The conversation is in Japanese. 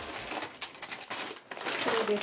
これです。